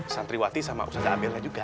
santriwati sama ustadz abel lah juga